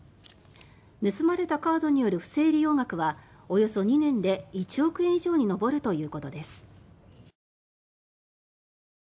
盗まれたカードによる不正使用額はおよそ２年で１億円以上にのぼるということです。